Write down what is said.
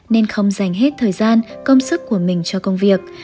nên không dành hết thời gian công sức của mình cho công việc